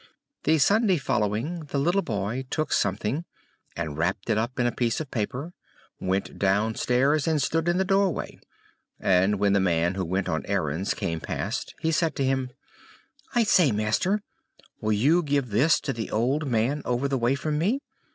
The Sunday following, the little boy took something, and wrapped it up in a piece of paper, went downstairs, and stood in the doorway; and when the man who went on errands came past, he said to him "I say, master! will you give this to the old man over the way from me?